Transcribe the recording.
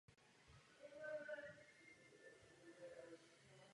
Konvertovala ke katolicismu.